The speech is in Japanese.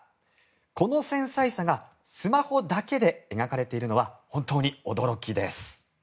この繊細さがスマホだけで描かれているのは本当に驚きです。